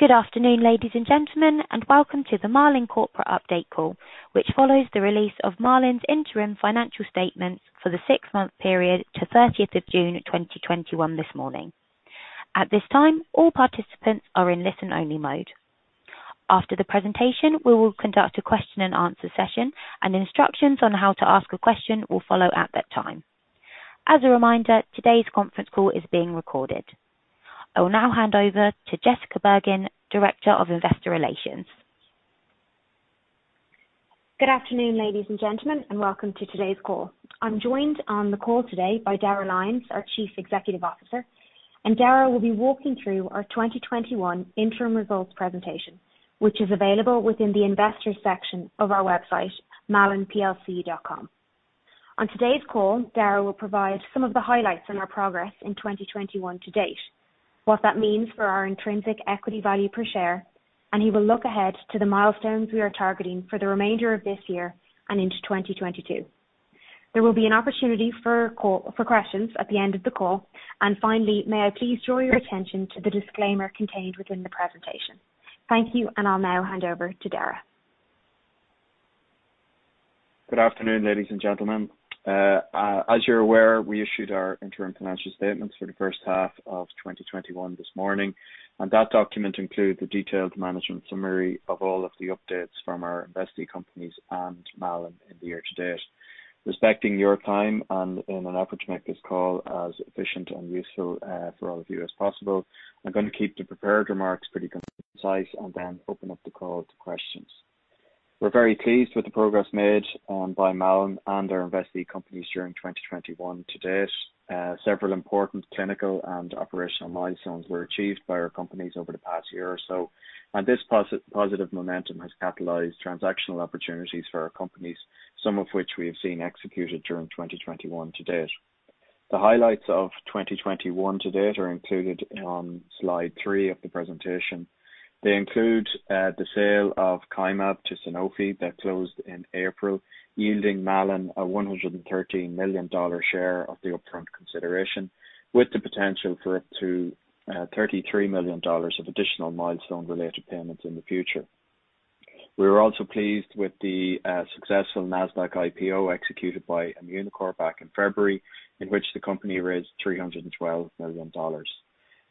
Good afternoon, ladies and gentlemen, and welcome to the Malin Corporation update call, which follows the release of Malin's interim financial statements for the six month period to June 30, 2021 this morning. I will now hand over to Jessica Bergin, Director of Investor Relations. Good afternoon, ladies and gentlemen, welcome to today's call. I'm joined on the call today by Darragh Lyons, our Chief Executive Officer, and Darragh will be walking through our 2021 interim results presentation, which is available within the investors section of our website, malinplc.com. On today's call, Darragh will provide some of the highlights on our progress in 2021 to date, what that means for our intrinsic equity value per share, and he will look ahead to the milestones we are targeting for the remainder of this year and into 2022. There will be an opportunity for questions at the end of the call. Finally, may I please draw your attention to the disclaimer contained within the presentation. Thank you, and I'll now hand over to Darragh. Good afternoon, ladies and gentlemen. As you're aware, we issued our interim financial statements for the first half of 2021 this morning. That document includes a detailed management summary of all of the updates from our investee companies and Malin in the year-to-date. Respecting your time and in an effort to make this call as efficient and useful for all of you as possible, I'm going to keep the prepared remarks pretty concise and then open up the call to questions. We're very pleased with the progress made by Malin and our investee companies during 2021 to date. Several important clinical and operational milestones were achieved by our companies over the past year or so. This positive momentum has catalyzed transactional opportunities for our companies, some of which we have seen executed during 2021 to date. The highlights of 2021 to date are included on slide three of the presentation. They include the sale of Kymab to Sanofi that closed in April, yielding Malin a $113 million share of the upfront consideration, with the potential for up to $33 million of additional milestone-related payments in the future. We were also pleased with the successful Nasdaq IPO executed by Immunocore back in February, in which the company raised $312 million.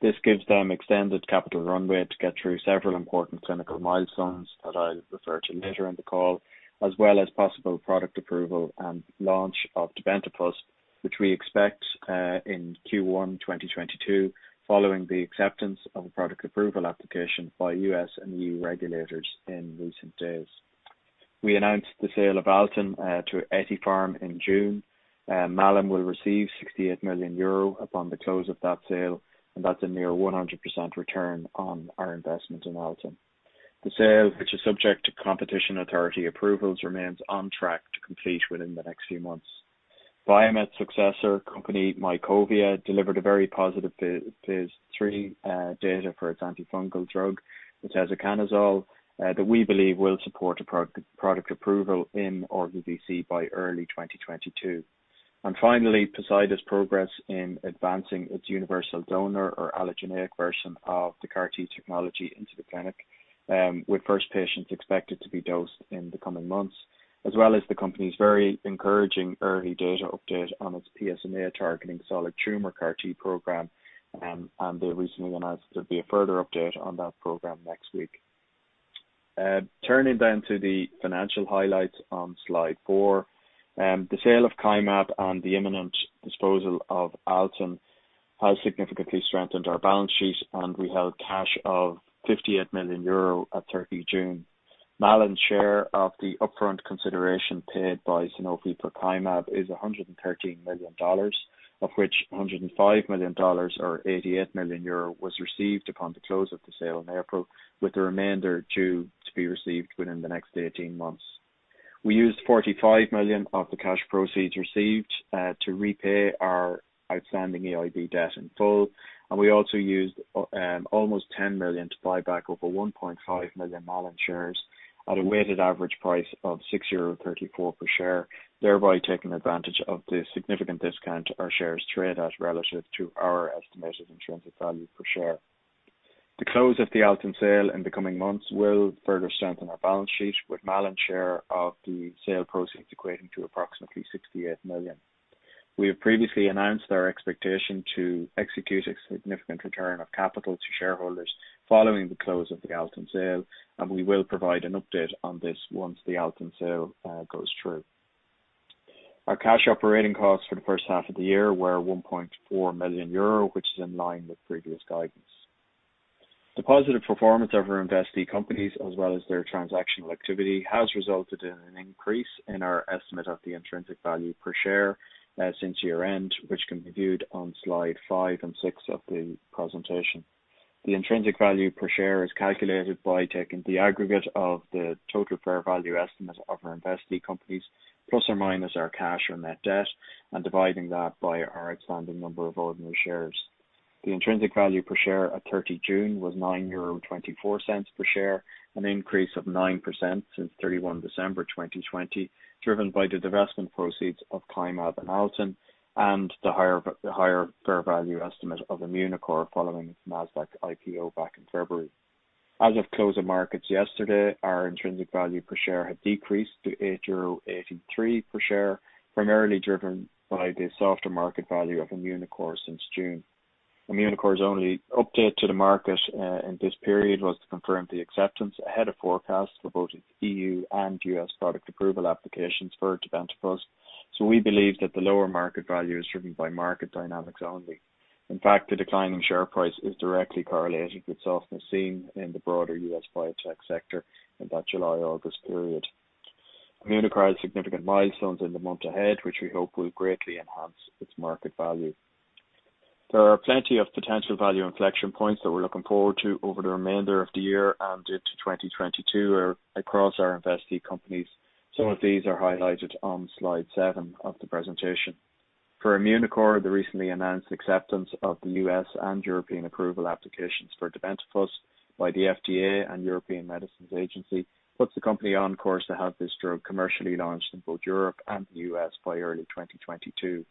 This gives them extended capital runway to get through several important clinical milestones that I'll refer to later in the call, as well as possible product approval and launch of tebentafusp, which we expect in Q1 2022, following the acceptance of a product approval application by U.S. and EU regulators in recent days. We announced the sale of Altan to Ethypharm in June. Malin will receive 68 million euro upon the close of that sale. That's a near 100% return on our investment in Altan. The sale, which is subject to competition authority approvals, remains on track to complete within the next few months. Viamet's successor company, Mycovia, delivered a very positive phase III data for its antifungal drug, which has oteseconazole, that we believe will support a product approval in RVVC by early 2022. Finally, Poseida's progress in advancing its universal donor or allogeneic version of the CAR-T technology into the clinic, with first patients expected to be dosed in the coming months, as well as the company's very encouraging early data update on its PSMA-targeting solid tumor CAR-T program. They recently announced there'll be a further update on that program next week. Turning to the financial highlights on Slide four. The sale of Kymab and the imminent disposal of Altan has significantly strengthened our balance sheet, and we held cash of 58 million euro at 30 June. Malin's share of the upfront consideration paid by Sanofi for Kymab is $113 million, of which $105 million, or 88 million euro, was received upon the close of the sale in April, with the remainder due to be received within the next 18 months. We used 45 million of the cash proceeds received to repay our outstanding EIB debt in full, we also used almost 10 million to buy back over 1.5 million Malin shares at a weighted average price of 6.34 euro per share, thereby taking advantage of the significant discount our shares trade at relative to our estimated intrinsic value per share. The close of the Altan sale in the coming months will further strengthen our balance sheet, with Malin's share of the sale proceeds equating to approximately 68 million. We have previously announced our expectation to execute a significant return of capital to shareholders following the close of the Altan sale. We will provide an update on this once the Altan sale goes through. Our cash operating costs for the first half of the year were 1.4 million euro, which is in line with previous guidance. The positive performance of our investee companies, as well as their transactional activity, has resulted in an increase in our estimate of the intrinsic value per share since year-end, which can be viewed on Slides five and six of the presentation. The intrinsic value per share is calculated by taking the aggregate of the total fair value estimate of our investee companies, plus or minus our cash or net debt, and dividing that by our outstanding number of ordinary shares. The intrinsic value per share at 30 June was 9.24 euro per share, an increase of 9% since 31 December 2020, driven by the divestment proceeds of Kymab and Altan and the higher fair value estimate of Immunocore following its Nasdaq IPO back in February. As of close of markets yesterday, our intrinsic value per share had decreased to 8.83 per share, primarily driven by the softer market value of Immunocore since June. Immunocore's only update to the market in this period was to confirm the acceptance ahead of forecast for both its EU and U.S. product approval applications for tebentafusp. We believe that the lower market value is driven by market dynamics only. In fact, the decline in share price is directly correlated with softness seen in the broader U.S. biotech sector in that July-August period. Immunocore has significant milestones in the month ahead, which we hope will greatly enhance its market value. There are plenty of potential value inflection points that we are looking forward to over the remainder of the year and into 2022 across our investee companies. Some of these are highlighted on slide seven of the presentation. For Immunocore, the recently announced acceptance of the U.S. and European approval applications for tebentafusp by the FDA and European Medicines Agency puts the company on course to have this drug commercially launched in both Europe and the U.S. by early 2022.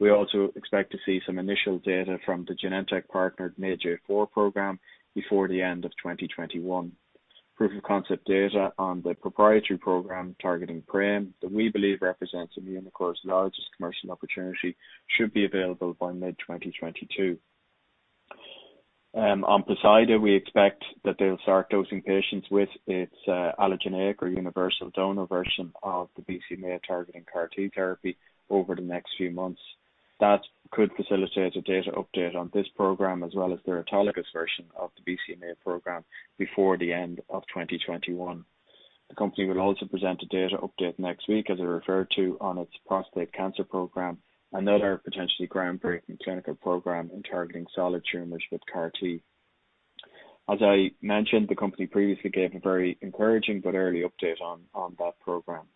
We also expect to see some initial data from the Genentech-partnered MAGE-A4 program before the end of 2021. Proof of concept data on the proprietary program targeting PRAME, that we believe represents Immunocore's largest commercial opportunity, should be available by mid-2022. On Poseida, we expect that they'll start dosing patients with its allogeneic or universal donor version of the BCMA-targeting CAR-T therapy over the next few months. That could facilitate a data update on this program as well as their autologous version of the BCMA program before the end of 2021. The company will also present a data update next week, as I referred to, on its prostate cancer program, another potentially groundbreaking clinical program in targeting solid tumors with CAR-T. As I mentioned, the company previously gave a very encouraging but early update on that program.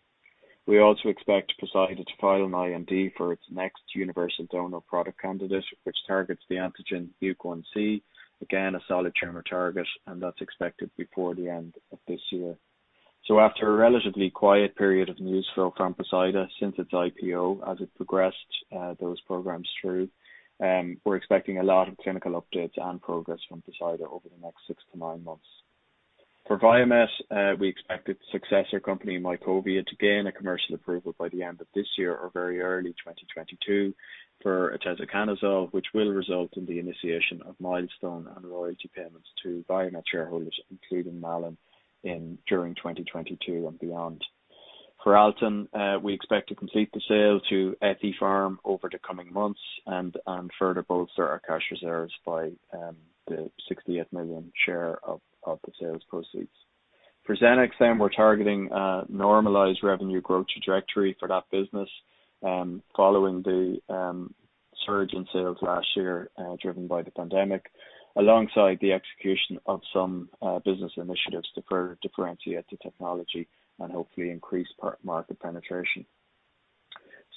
We also expect Poseida to file an IND for its next universal donor product candidate, which targets the antigen MUC1-C, again, a solid tumor target, and that's expected before the end of this year. After a relatively quiet period of news flow from Poseida since its IPO, as it progressed those programs through, we're expecting a lot of clinical updates and progress from Poseida over the next six to nine months. For Viamet, we expect its successor company, Mycovia, to gain a commercial approval by the end of this year or very early 2022 for oteseconazole, which will result in the initiation of milestone and royalty payments to Viamet shareholders, including Malin during 2022 and beyond. For Altan, we expect to complete the sale to Ethypharm over the coming months and further bolster our cash reserves by the 68 million share of the sales proceeds. For Xenex, we're targeting a normalized revenue growth trajectory for that business following the surge in sales last year driven by the pandemic, alongside the execution of some business initiatives to further differentiate the technology and hopefully increase market penetration.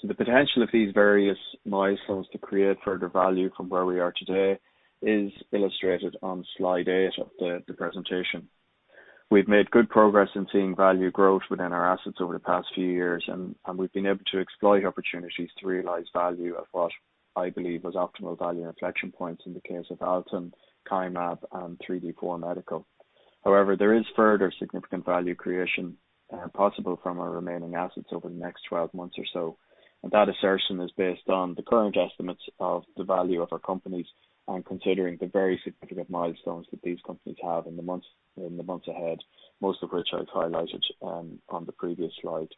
The potential of these various milestones to create further value from where we are today is illustrated on slide eight of the presentation. We've made good progress in seeing value growth within our assets over the past few years, and we've been able to exploit opportunities to realize value at what I believe was optimal value inflection points in the case of Altan, Kymab, and 3D4Medical. However, there is further significant value creation possible from our remaining assets over the next 12 months or so. That assertion is based on the current estimates of the value of our companies and considering the very significant milestones that these companies have in the months ahead, most of which I've highlighted on the previous slide.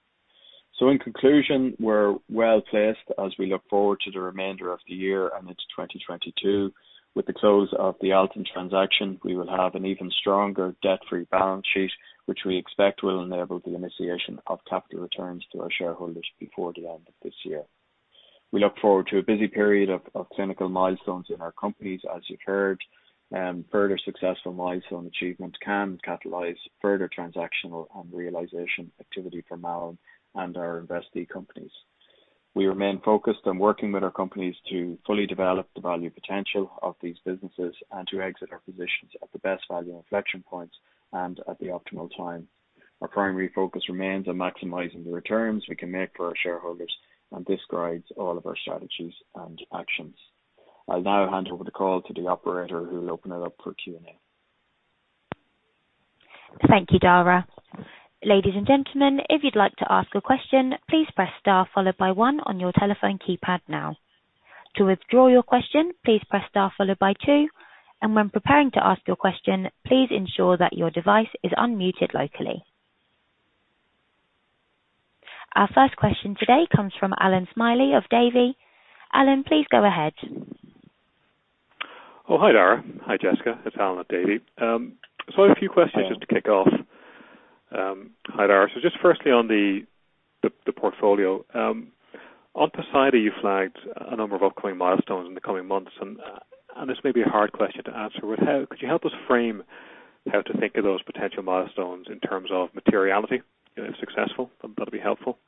In conclusion, we're well-placed as we look forward to the remainder of the year and into 2022. With the close of the Altan transaction, we will have an even stronger debt-free balance sheet, which we expect will enable the initiation of capital returns to our shareholders before the end of this year. We look forward to a busy period of clinical milestones in our companies, as you've heard. Further successful milestone achievement can catalyze further transactional and realization activity for Malin and our investee companies. We remain focused on working with our companies to fully develop the value potential of these businesses and to exit our positions at the best value inflection points and at the optimal time. Our primary focus remains on maximizing the returns we can make for our shareholders, and this guides all of our strategies and actions. I'll now hand over the call to the operator who will open it up for Q&A. Thank you, Darragh. Ladies and gentlemen, if you'd like to ask a question, please press star followed by one on your telephone keypad now. To withdraw your question, please press star followed by two, and when preparing to ask your question, please ensure that your device is unmuted locally. Our first question today comes from Allan Smylie of Davy. Allan, please go ahead. Hi, Darragh. Hi, Jessica. It's Allan at Davy. I have a few questions just to kick off. Hi, Darragh. Just firstly on the portfolio. On Poseida, you flagged a number of upcoming milestones in the coming months, and this may be a hard question to answer. Could you help us frame how to think of those potential milestones in terms of materiality, if successful? That'd be helpful.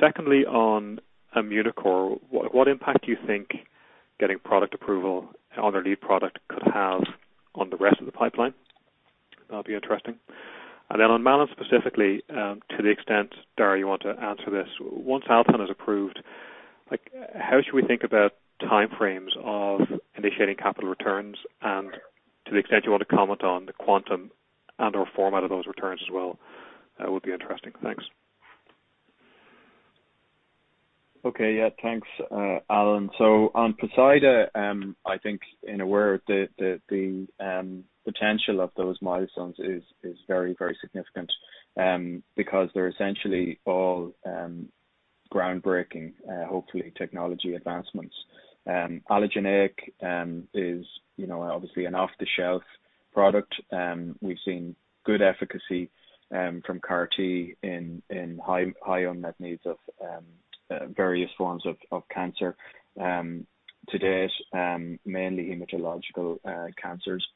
Secondly, on Immunocore, what impact do you think getting product approval on their lead product could have on the rest of the pipeline? That'll be interesting. Then on Malin specifically, to the extent, Darragh, you want to answer this, once Altan is approved, how should we think about timeframes of initiating capital returns? To the extent you want to comment on the quantum and/or format of those returns as well, would be interesting. Thanks. Okay. Yeah. Thanks, Allan. On Poseida, I think in a word, the potential of those milestones is very, very significant. Because they're essentially all groundbreaking, hopefully technology advancements. Allogeneic is obviously an off-the-shelf product. We've seen good efficacy from CAR-T in high unmet needs of various forms of cancer. To date, mainly hematological cancers.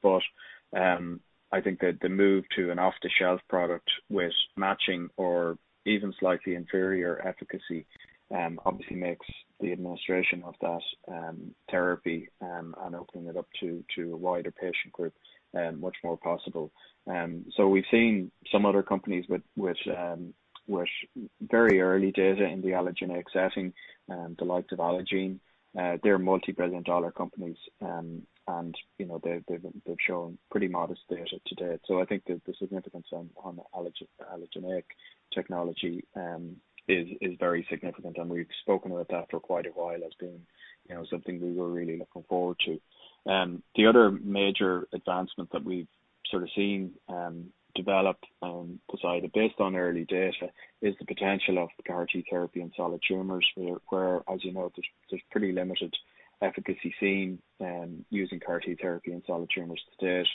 I think that the move to an off-the-shelf product with matching or even slightly inferior efficacy obviously makes the administration of that therapy and opening it up to a wider patient group much more possible. We've seen some other companies with very early data in the allogeneic setting. The likes of Allogene. They're multibillion-dollar companies, and they've shown pretty modest data to date. I think the significance on the allogeneic technology is very significant, and we've spoken about that for quite a while as being something we were really looking forward to. The other major advancement that we've sort of seen develop on Poseida, based on early data, is the potential of CAR-T therapy in solid tumors where, as you know, there's pretty limited efficacy seen using CAR-T therapy in solid tumors to date.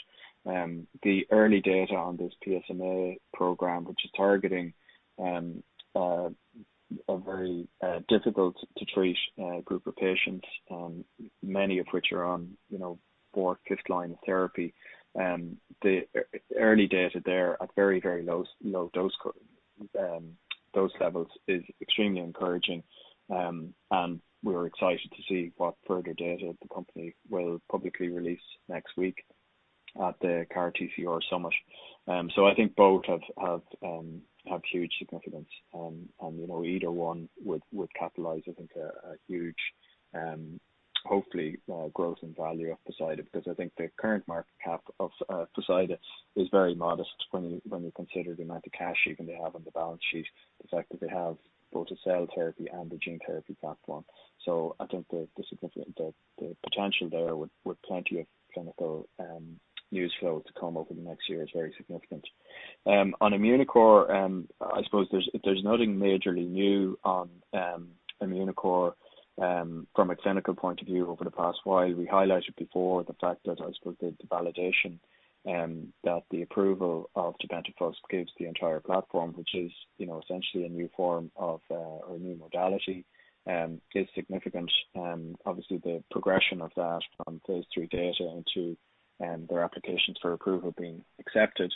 The early data on this PSMA program, which is targeting a very difficult-to-treat group of patients, many of which are on fourth, fifth-line therapy. The early data there at very low dose levels is extremely encouraging. We're excited to see what further data the company will publicly release next week at the CAR-TCR summit. I think both have huge significance. Either one would capitalize, I think, a huge, hopefully, growth in value of Poseida. I think the current market cap of Poseida is very modest when you consider the amount of cash even they have on the balance sheet, the fact that they have both a cell therapy and a gene therapy platform. I think the potential there with plenty of clinical news flow to come over the next year is very significant. On Immunocore, I suppose there's nothing majorly new on Immunocore from a clinical point of view over the past while. We highlighted before the fact that, I suppose the validation that the approval of tebentafusp gives the entire platform, which is essentially a new form of, or a new modality, is significant. Obviously, the progression of that from phase III data into their applications for approval being accepted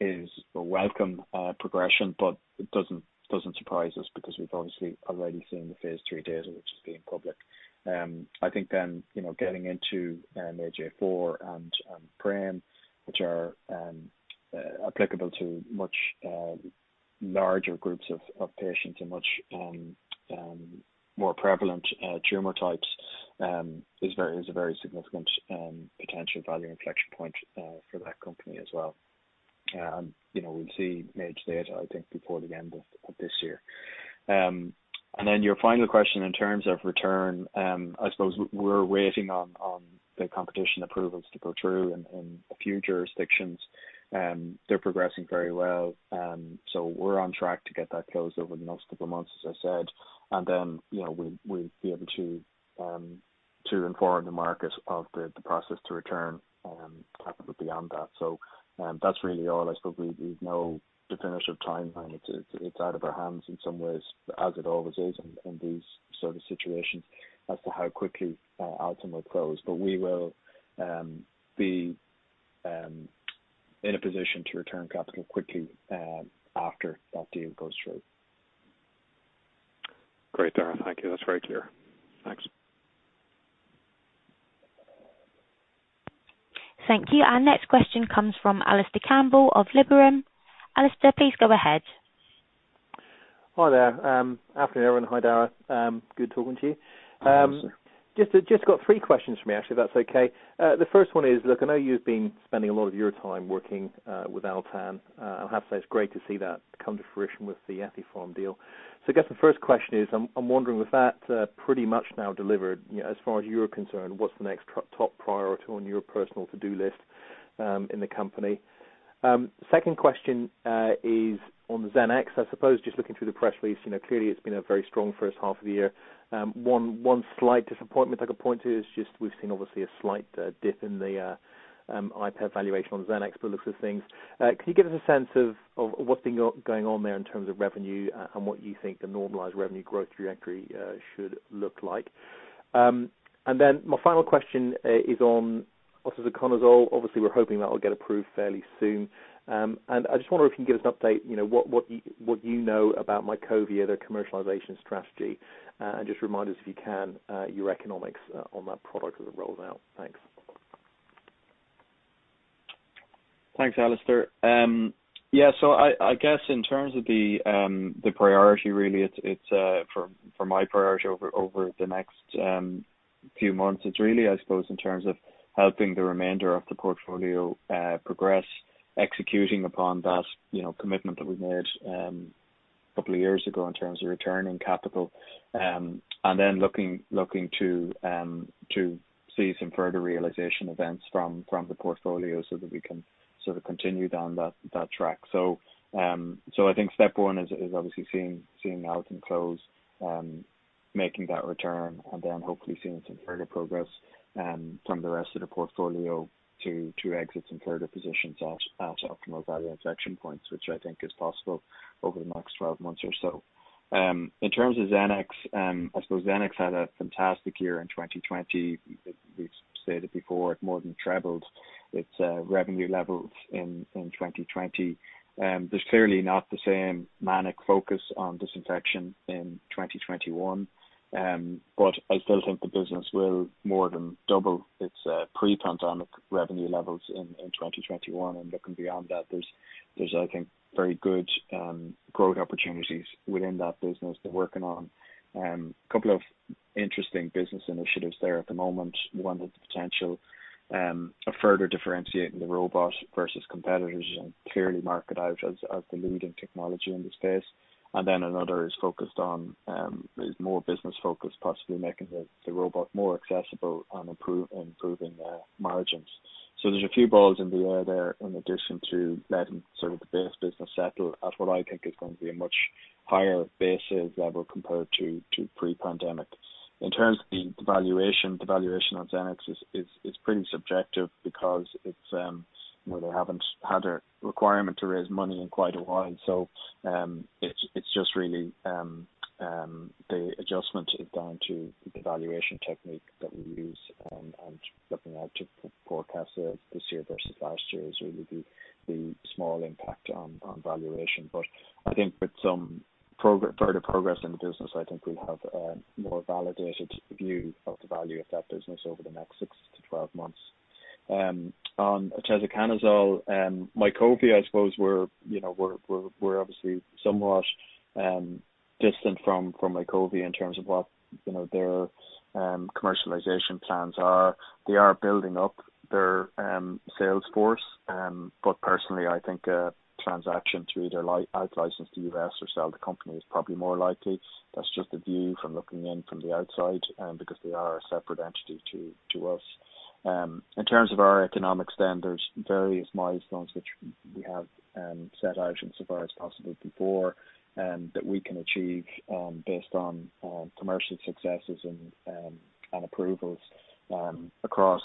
is a welcome progression. It doesn't surprise us because we've obviously already seen the phase III data, which has been public. I think getting into MAGE-A4 and PRAME, which are applicable to much larger groups of patients and much more prevalent tumor types is a very significant potential value inflection point for that company as well. We'll see major data, I think, before the end of this year. Your final question in terms of return, I suppose we're waiting on the competition approvals to go through in a few jurisdictions. They're progressing very well. We're on track to get that closed over the next two months, as I said. We'll be able to inform the market of the process to return capital beyond that. That's really all. I suppose we've no definitive timeline. It's out of our hands in some ways, as it always is in these sort of situations as to how quickly Altan will close. We will be in a position to return capital quickly after that deal goes through. Great, Darragh. Thank you. That's very clear. Thanks. Thank you. Our next question comes from Alistair Campbell of Liberum. Alistair, please go ahead. Hi there. Afternoon, everyone. Hi, Darragh. Good talking to you. Hi, Alistair. Just got three questions from me, actually, if that's okay. The first one is, look, I know you've been spending a lot of your time working with Altan. I'll have to say, it's great to see that come to fruition with the Ethypharm deal. I guess the first question is, I'm wondering with that pretty much now delivered, as far as you're concerned, what's the next top priority on your personal to-do list in the company? Second question is on the Xenex. I suppose just looking through the press release, clearly it's been a very strong first half of the year. One slight disappointment I could point to is just we've seen obviously a slight dip in the IVS valuation on Xenex by the looks of things. Can you give us a sense of what's been going on there in terms of revenue and what you think the normalized revenue growth trajectory should look like? My final question is on oteseconazole. Obviously, we're hoping that will get approved fairly soon. I just wonder if you can give us an update, what you know about Mycovia, their commercialization strategy. Just remind us, if you can, your economics on that product as it rolls out. Thanks. Thanks, Alistair. I guess in terms of the priority really, my priority over the next few months, it is really, I suppose, in terms of helping the remainder of the portfolio progress, executing upon that commitment that we made two years ago in terms of returning capital. Looking to see some further realization events from the portfolio so that we can sort of continue down that track. I think step one is obviously seeing out and close, making that return, and then hopefully seeing some further progress from the rest of the portfolio to exits and further positions at optimal value inflection points, which I think is possible over the next 12 months or so. In terms of Xenex, I suppose Xenex had a fantastic year in 2020. We have stated before, it more than trebled its revenue levels in 2020. There's clearly not the same manic focus on disinfection in 2021. I still think the business will more than double its pre-pandemic revenue levels in 2021. Looking beyond that, there's I think very good growth opportunities within that business. They're working on couple of interesting business initiatives there at the moment. One has the potential of further differentiating the robot versus competitors and clearly mark it out as the leading technology in the space. Another is more business-focused, possibly making the robot more accessible and improving their margins. There's a few balls in the air there in addition to letting sort of the base business settle at what I think is going to be a much higher basis level compared to pre-pandemic. In terms of the valuation, the valuation on Xenex is pretty subjective because they haven't had a requirement to raise money in quite a while. It's just really the adjustment down to the valuation technique that we use and looking out to forecast this year versus last year is really the small impact on valuation. I think with some further progress in the business, I think we'll have a more validated view of the value of that business over the next six to 12 months. On oteseconazole, Mycovia, I suppose we're obviously somewhat distant from Mycovia in terms of what their commercialization plans are. They are building up their sales force. Personally, I think a transaction through either out-license to U.S. or sell the company is probably more likely. That's just a view from looking in from the outside because they are a separate entity to us. In terms of our economics then, there's various milestones which we have set out insofar as possible before that we can achieve based on commercial successes and approvals across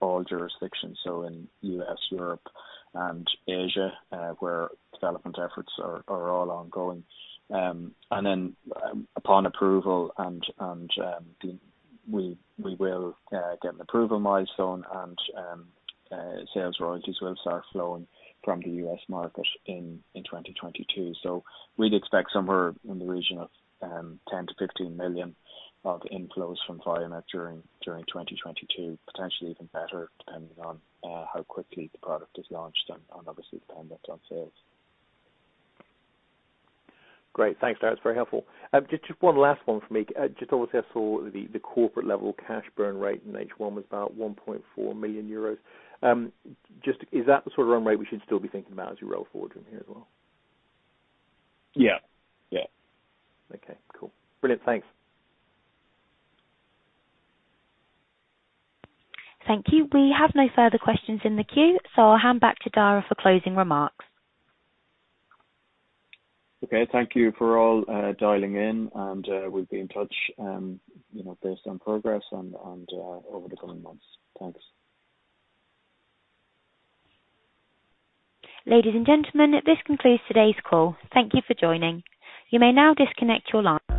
all jurisdictions. In U.S., Europe and Asia where development efforts are all ongoing. Upon approval and we will get an approval milestone and sales royalties will start flowing from the U.S. market in 2022. We'd expect somewhere in the region of 10 million-15 million of inflows from Viamet during 2022. Potentially even better depending on how quickly the product is launched and obviously dependent on sales. Great. Thanks, Dara. That's very helpful. Obviously I saw the corporate level cash burn rate in H1 was about 1.4 million euros. Is that the sort of run rate we should still be thinking about as we roll forward from here as well? Yeah. Okay. Cool. Brilliant. Thanks. Thank you. We have no further questions in the queue. I'll hand back to Darragh Lyons for closing remarks. Okay. Thank you for all dialing in and we'll be in touch based on progress and over the coming months. Thanks. Ladies and gentlemen, this concludes today's call. Thank you for joining. You may now disconnect your line.